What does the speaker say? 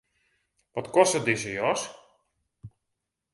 Wat kostet dizze jas?